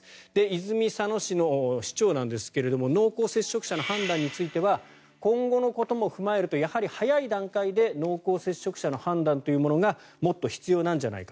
泉佐野市の市長なんですけれども濃厚接触者の判断については今後のことも踏まえると早い段階で濃厚接触者の判断というものがもっと必要なんじゃないか。